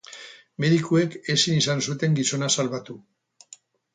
Medikuek ezin izan zuten gizona salbatu.